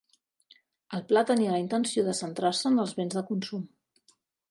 El pla tenia la intenció de centrar-se en els béns de consum.